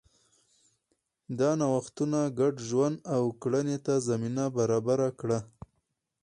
دا نوښتونه ګډ ژوند او کرنې ته زمینه برابره کړه.